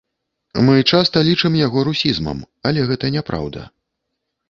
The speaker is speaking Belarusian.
Мы часта лічым яго русізмам, але гэта не праўда.